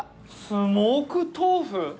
スモーク豆腐！？